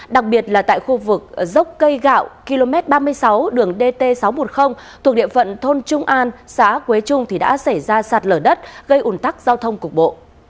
đặc biệt là tại khu vực dốc cây gạo km ba mươi sáu đường dt sáu trăm một mươi thuộc địa phận thôn trung an xã quế trung thì đã xảy ra sạt lở đất gây ủn tắc giao thông cục bộ